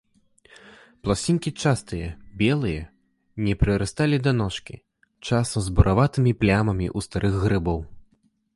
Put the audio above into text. Пласцінкі частыя, белыя, не прырасталі да ножкі, часам з бураватымі плямамі ў старых грыбоў.